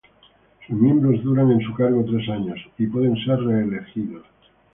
Sus miembros duran en su cargo tres años y pueden ser reelectos.